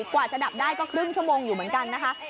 กว่าจะดับได้ก็ครึ่งชั่วโมงอยู่เหมือนกันนะคะ